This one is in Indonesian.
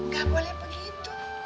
gak boleh begitu